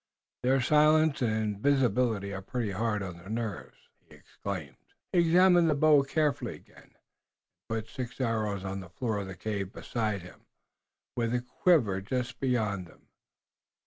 Their silence and invisibility are pretty hard on the nerves." He examined the bow carefully again, and put six arrows on the floor of the cave beside him, with the quiver just beyond them.